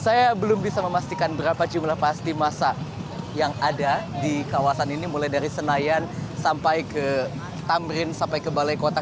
saya belum bisa memastikan berapa jumlah pasti masa yang ada di kawasan ini mulai dari senayan sampai ke tamrin sampai ke balai kota